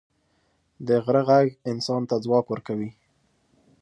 د غره ږغ انسان ته ځواک ورکوي.